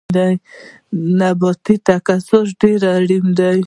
نباتي تکثیر ډیر اړین دی